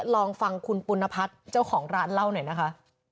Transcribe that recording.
ลองฟังคุณปุณพัฒน์เจ้าของร้านเล่าหน่อยนะคะ